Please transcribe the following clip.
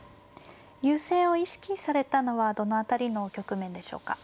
優勢を意識されたのはどの辺りの局面でしょうか。